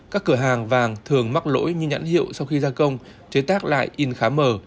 các cửa hàng vàng thường mắc lỗi như nhãn hiệu sau khi gia công chế tác lại in khá mờ